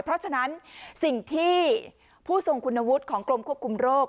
เพราะฉะนั้นสิ่งที่ผู้ทรงคุณวุฒิของกรมควบคุมโรค